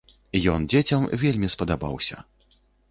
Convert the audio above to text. Ён дзецям вельмі спадабаўся.